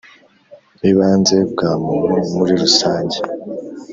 ibanze bwa muntu muri rusange